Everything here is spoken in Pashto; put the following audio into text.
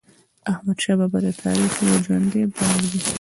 احمدشاه بابا د تاریخ یو ژوندی باب دی.